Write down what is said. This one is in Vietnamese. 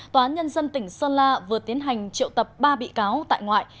tòa án nhân dân tỉnh sơn la vừa tiến hành triệu tập ba bị cáo tại ngoại